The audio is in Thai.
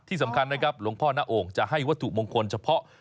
ที่สำคัญหลวงพ่อณองค์จะให้วัตถุมงคลเฉพาะ